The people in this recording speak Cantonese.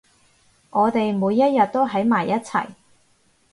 我哋每一日都喺埋一齊